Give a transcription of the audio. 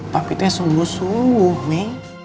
tapi tuh yang sungguh sungguh mi